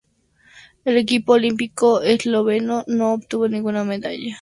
El equipo olímpico esloveno no obtuvo ninguna medalla en estos Juegos.